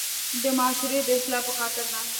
د معاشري د اصلاح پۀ خاطر ده